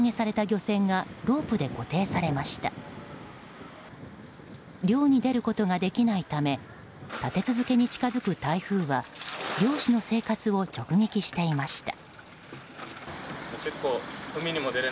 漁に出ることができないため立て続けに近づく台風は漁師の生活を直撃していました。